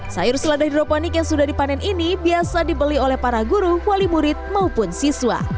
sayur seladah hidroponik yang sudah dipanen ini biasa dibeli oleh para guru wali murid maupun siswa